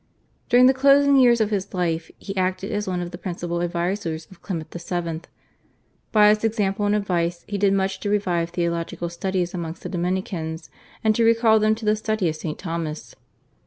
During the closing years of his life he acted as one of the principal advisers of Clement VII. By his example and his advice he did much to revive theological studies amongst the Dominicans and to recall them to the study of St. Thomas.